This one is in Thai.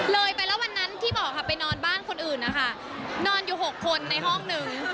เลยไปแล้ววันนั้นที่บอกค่ะไปนอนบ้านคนอื่นนะคะนอนอยู่๖คนในห้องหนึ่ง